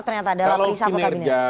ternyata dalam perisa vkb